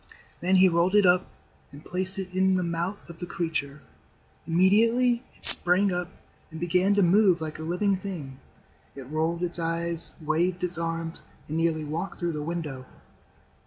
Then he rolled it up and placed it in the mouth of the creature. Immediately it sprang up and began to move like a living thing. It rolled its eyes, waved its arms, and nearly walked through the window.